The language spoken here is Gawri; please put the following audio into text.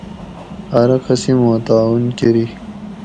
ہارہ قسماں تعاون کۤری